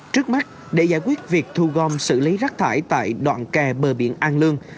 trước mắt để giải quyết việc thu gom xử lý rác thải tại đoạn kè bờ biển an lương